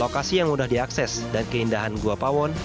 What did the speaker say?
lokasi yang mudah diakses dan keindahan guapawon